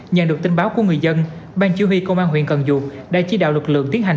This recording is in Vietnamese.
nhận được tin báo của người dân ban chứ huy công an huyện cần dược đã chỉ đạo lực lượng tiến hành